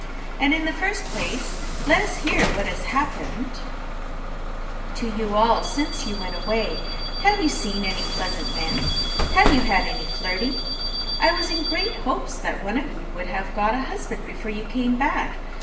And in the first place, let us hear what has happened to you all since you went away. Have you seen any pleasant men? Have you had any flirting? I was in great hopes that one of you would have got a husband before you came back.